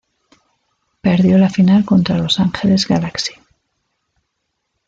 Perdió la final contra Los Angeles Galaxy.